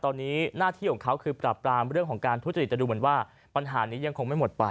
ตอนนี้หน้าที่ของเขาคือปรับปรามเรื่องของการทุจริตจะดูเหมือนว่าปัญหานี้ยังคงไม่หมดไป